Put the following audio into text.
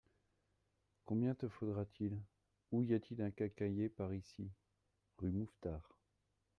Combien te faudra-t-il ? Où y a-t-il un quincaillier par ici ? Rue Mouffetard.